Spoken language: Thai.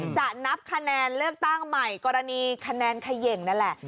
จะนับคะแนนเลือกตั้งใหม่กรณีคะแนนเขย่งนั่นแหละ